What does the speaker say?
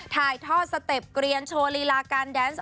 ถ่ายทอดสเต็ปเกรียนโชว์ลีลาการแดนส์